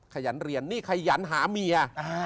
ขยันเรียนนี่ขยันหาเมีย